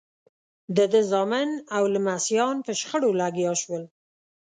د ده زامن او لمسیان په شخړو لګیا شول.